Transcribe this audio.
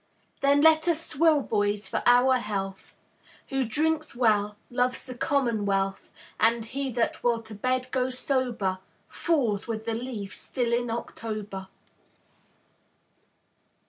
Then let us swill, boys, for our health; Who drinks well, loves the commmonwealth. And he that will to bed go sober, Falls with the leaf still in October.